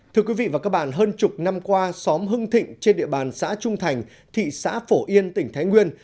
thưa quý vị và các bạn hơn chục năm qua xóm hưng thịnh trên địa bàn xã trung thành thị xã phổ yên tỉnh thái nguyên